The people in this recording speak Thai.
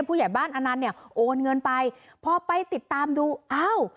ผู้ใหญ่บ้านอนันต์เนี่ยโอนเงินไปพอไปติดตามดูอ้าว